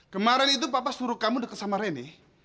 kemarin itu papa suruh kamu dekat sama reni